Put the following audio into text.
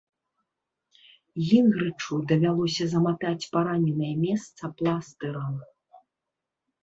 Гінгрычу давялося заматаць параненае месца пластырам.